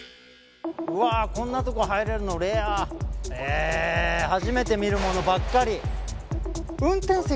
うわこんなとこ入れるのレアへえ初めて見るものばっかりじゃあ